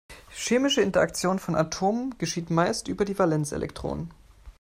Chemische Interaktion von Atomen geschieht meist über die Valenzelektronen.